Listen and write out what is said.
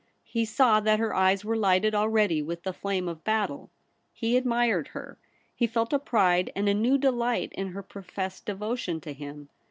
He saw that her eyes were lighted already with the flame of battle. He admired her. He felt a pride and a new delight in her professed devotion to him.